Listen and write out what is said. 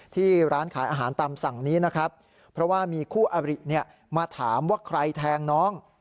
ที่ร้านขายอาหารตามสั่งนี้นะครับเพราะว่ามีคู่อริมาถามว่าใครแทงน้อง